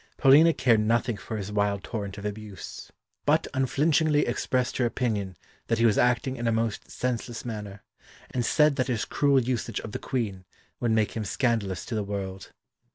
Paulina cared nothing for his wild torrent of abuse, but unflinchingly expressed her opinion that he was acting in a most senseless manner, and said that his cruel usage of the Queen would make him scandalous to the world.